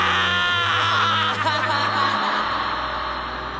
アハハハハ。